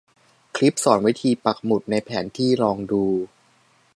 คลิปสอนวิธีปักหมุดในแผนที่ลองดู